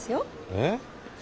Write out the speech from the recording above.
えっ？